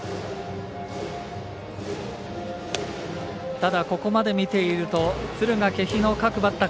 ただ、ここまで見ていると敦賀気比の各バッター